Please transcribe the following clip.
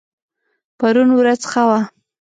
پرون ورځ ښه وه